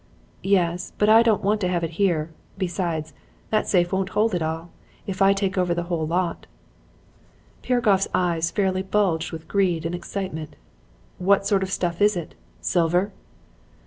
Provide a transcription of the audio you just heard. "'Yes, but I don't want to have it here. Besides, that safe won't hold it all, if I take over the whole lot.' "Piragoff's eyes fairly bulged with greed and excitement. "'What sort of stuff is it? Silver?'